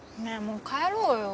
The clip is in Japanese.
もう帰ろうよ。